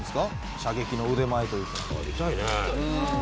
射撃の腕前というか。